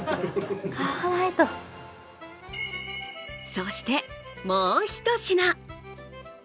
そして、もうひと品。